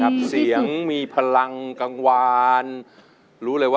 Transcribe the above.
จบไปแล้วครับ